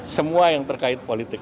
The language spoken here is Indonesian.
semua yang terkait politik